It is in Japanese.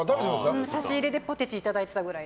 差し入れでポテチいただいたくらい。